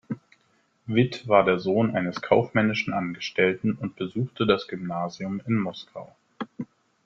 Witt war der Sohn eines kaufmännischen Angestellten und besuchte das Gymnasium in Moskau.